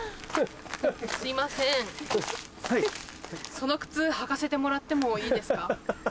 その靴履かせてもらってもいいですか？